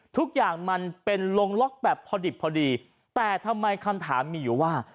ทุกอย่างมันเป็นลงล็อกแบบพอดิบพอดีแต่ทำไมคำถามมีอยู่ว่า